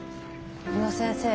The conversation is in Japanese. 宇野先生